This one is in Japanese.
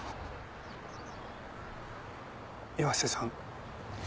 岩瀬さん。